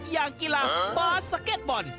อย่างกีฬาบาสเก็ตบอล